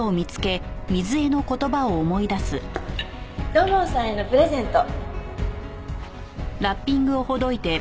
土門さんへのプレゼント。